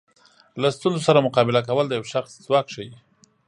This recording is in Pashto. له ستونزو سره مقابله کول د یو شخص ځواک ښیي.